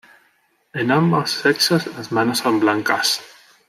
En ambos sexos las manos son blancas.